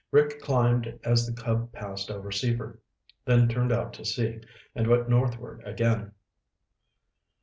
Rick climbed as the Cub passed over Seaford, then turned out to sea and went northward again.